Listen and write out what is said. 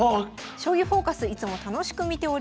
『将棋フォーカス』いつも楽しく見ております。